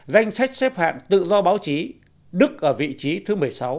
danh sách xếp hạng tự do báo chí đức ở vị trí thứ một mươi sáu